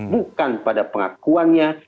bukan pada pengakuannya